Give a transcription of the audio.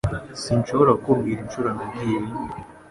Sinshobora kukubwira inshuro nagiyeyo